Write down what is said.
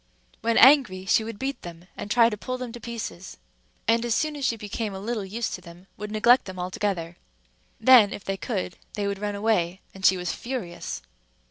When angry, she would beat them, and try to pull them to pieces, and as soon as she became a little used to them, would neglect them altogether. Then, if they could, they would run away, and she was furious.